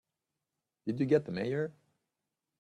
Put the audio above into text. Did you get the Mayor?